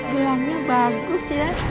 gelangnya bagus ya